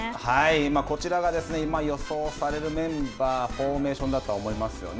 こちらが、今、予想されるメンバー、フォーメーションだと思いますよね。